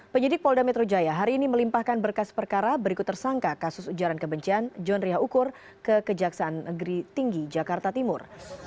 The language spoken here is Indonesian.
penyidik polda metro jaya hari ini melimpahkan berkas perkara berikut tersangka kasus ujaran kebencian john riah ukur ke kejaksaan negeri tinggi jakarta timur